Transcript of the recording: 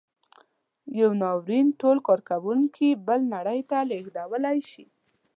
یو ناورین ټول کارکوونکي بلې نړۍ ته لېږدولی شي.